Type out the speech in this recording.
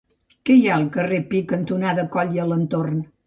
Què hi ha al carrer Pi cantonada Coll i Alentorn?